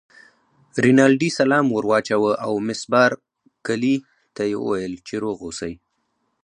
رینالډي سلام ور واچاوه او مس بارکلي ته یې وویل چې روغ اوسی.